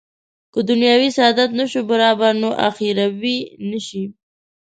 که دنیوي سعادت نه شو برابر نو اخروي نه شي.